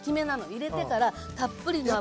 入れてからたっぷりの油で。